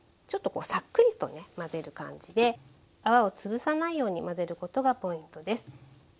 ちょっとこうさっくりと混ぜる感じで泡をつぶさないように混ぜることがポイントです。